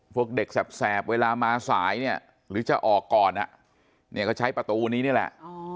พวกเด็กแสบเวลามาสายเนี่ยหรือจะออกก่อนเนี่ยก็ใช้ประตูนี้นี่แหละ